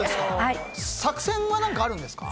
作戦は何かあるんですか？